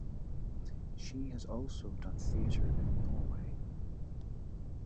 She has also done theater in Norway.